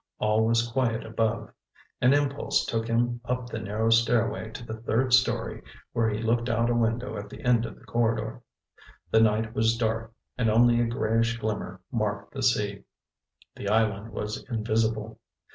All was quiet above. An impulse took him up the narrow stairway to the third story, where he looked out a window at the end of the corridor. The night was dark and only a grayish glimmer marked the sea. The island was invisible.